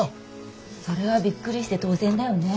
それはびっくりして当然だよね。